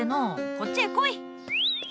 こっちへ来い！